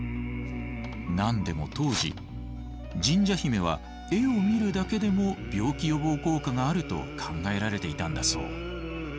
何でも当時神社姫は絵を見るだけでも病気予防効果があると考えられていたんだそう。